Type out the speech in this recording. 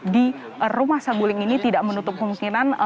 di rumah saguling ini tidak menutup kemungkinan